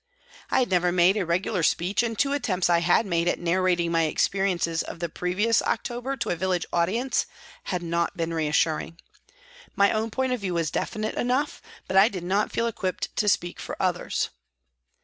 I had never made a regular speech, and two attempts I had made at narrating my experiences of the previous October to a village audience had not been reassur ing. My own point of view was definite enough, but I did not feel equipped to speak for others.